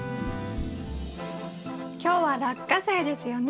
今日はラッカセイですよね？